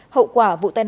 hậu quả vụ tai nạn